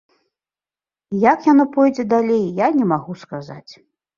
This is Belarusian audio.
Як яно пойдзе далей, я не магу сказаць.